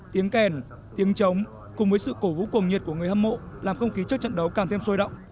tiếng kèn tiếng trống cùng với sự cổ vũ cuồng nhiệt của người hâm mộ làm không khí trước trận đấu càng thêm sôi động